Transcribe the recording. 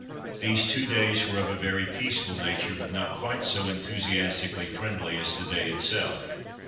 These two days were of a very peaceful nature, but not quite so enthusiastically friendly as the day itself.